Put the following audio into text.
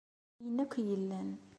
Ayen akk i yellan.